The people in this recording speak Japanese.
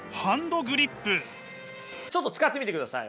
ちょっと使ってみてください